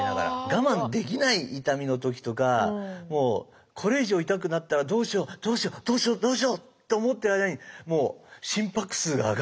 我慢できない痛みの時とかこれ以上痛くなったらどうしようどうしようどうしようどうしようって思ってる間に心拍数が上がっちゃって